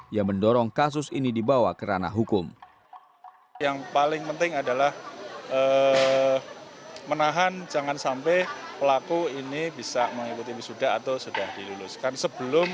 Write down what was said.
yang mendorong kasus ini dibawa ke ranah hukum